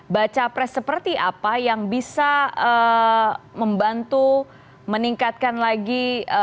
baca pres seperti apa yang bisa membantu meningkatkan lagi